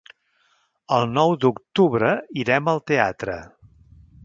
El nou d'octubre irem al teatre.